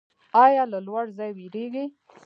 ایا له لوړ ځای ویریږئ؟